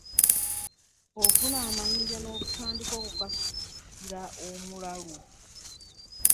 Ofuna amayinja n’otandika okukasukira omulalu.